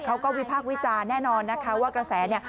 เขาก็วิภาควิจารณ์แน่นอนนะคะว่ากระแสเนี่ย